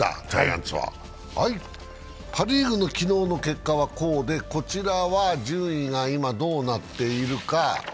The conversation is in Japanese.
パ・リーグの昨日の結果はこうで、こちらは順位はどうなっているか。